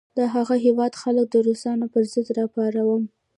د هغه هیواد خلک د روسانو پر ضد را پاروم.